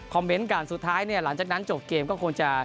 เมนต์กันสุดท้ายเนี่ยหลังจากนั้นจบเกมก็คงจะ